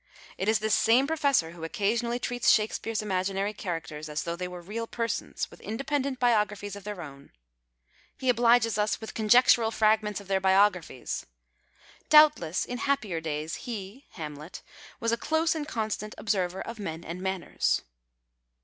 It is this same professor who occa sionally treats Shakespeare's imaginary characters as though they were real persons, with independent biographies of their own. He obliges us with con jectural fragments of their biographies. " Doubt less in happier days he (Hamlet) was a close and constant observer of men and manners."